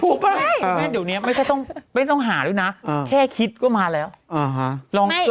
ถูกป่ะแม่งเดี๋ยวนี้ไม่ต้องหาด้วยนะแค่คิดก็มาแล้วลอง